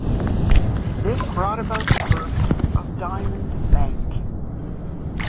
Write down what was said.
This brought about the birth of Diamond Bank.